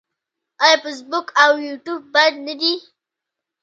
آیا فیسبوک او یوټیوب بند نه دي؟